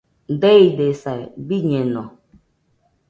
Deidesaa, biñeno